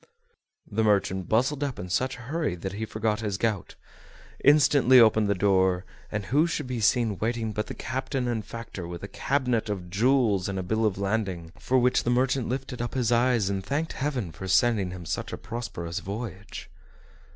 The merchant bustled up in such a hurry that he forgot his gout; instantly opened the door, and who should be seen waiting but the captain and factor, with a cabinet of jewels, and a bill of lading, for which the merchant lifted up his eyes and thanked heaven for sending him such a prosperous voyage.